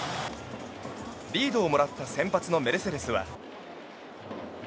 リードをもらった先発のメルセデスは。